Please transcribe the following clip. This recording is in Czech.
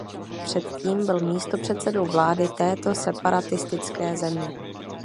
Předtím byl místopředsedou vlády této separatistické země.